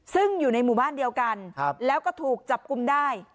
ซึ่งอยู่ในหมู่บ้านเดียวกันแล้วก็ถูกจับกลุ่มได้